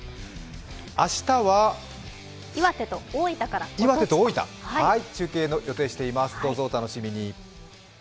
明日は岩手と大分から中継の予定しています、どうぞお楽しみに。